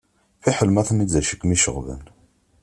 Fiḥel ma tenniḍ-d d acu i kem-iceɣben.